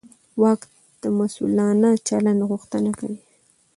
واک د مسوولانه چلند غوښتنه کوي.